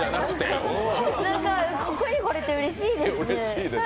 ここに来れてうれしいですね。